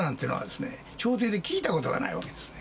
朝廷で聞いた事がないわけですね。